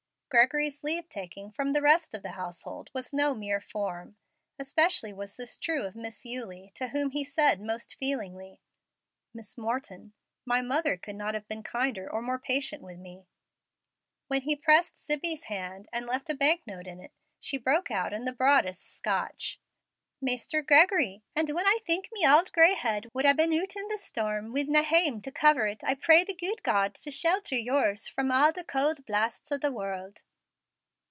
Gregory's leave taking from the rest of the household was no mere form. Especially was this true of Miss Eulie, to whom he said most feelingly, "Miss Morton, my mother could not have been kinder or more patient with me." When he pressed Zibbie's hand and left a banknote in it, she broke out in the broadest Scotch, "Maister Gregory, an' when I think me auld gray head would ha' been oot in the stourm wi' na hame to cover it, I pray the gude God to shelter yours fra a' the cauld blasts o' the wourld."